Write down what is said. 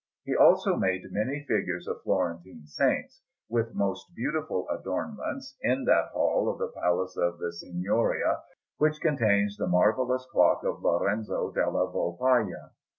He also made many figures of Florentine Saints, with most beautiful adornments, in that hall of the Palace of the Signoria which contains the marvellous clock of Lorenzo della Volpaia.